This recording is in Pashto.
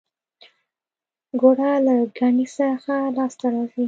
ګوړه له ګني څخه لاسته راځي